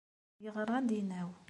Yeɣra-d inaw.